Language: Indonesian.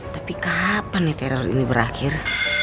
tapi kapan ya teror ini berakhir